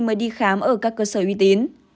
mới đi khám ở các cơ sở uy tín